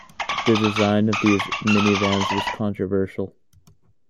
The design of these minivans was controversial.